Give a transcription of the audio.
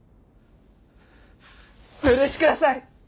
お許しください！